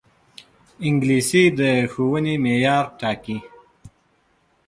انګلیسي د ښوونې معیار ټاکي